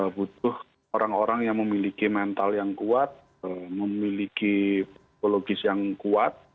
butuh orang orang yang memiliki mental yang kuat memiliki psikologis yang kuat